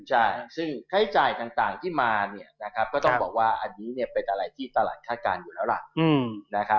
ใช่ซึ่งค่าใช้จ่ายต่างที่มาเนี่ยนะครับก็ต้องบอกว่าอันนี้เป็นอะไรที่ตลาดคาดการณ์อยู่แล้วล่ะ